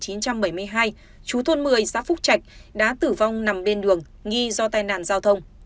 trước đó vào khoảng một mươi chín h bảy mươi hai chú thôn một mươi xã phúc trạch đã tử vong nằm bên đường nghi do tai nạn giao thông